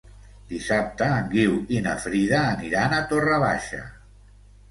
Dissabte en Guiu i na Frida aniran a Torre Baixa.